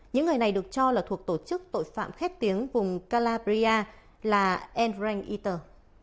những người này được cho là thuộc tổ chức tội phạm khét tiếng vùng calabria là endrang eater